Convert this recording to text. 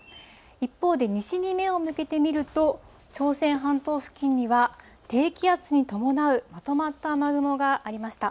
一方で、西に目を向けてみると、朝鮮半島付近には低気圧に伴うまとまった雨雲がありました。